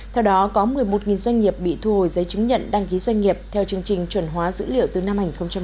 theo đó có một mươi một doanh nghiệp bị thu hồi giấy chứng nhận đăng ký doanh nghiệp theo chương trình chuẩn hóa dữ liệu từ năm hai nghìn một mươi